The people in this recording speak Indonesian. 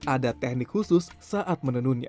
ada teknik khusus saat menenunnya